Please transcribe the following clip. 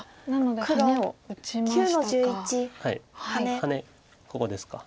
ハネここですか。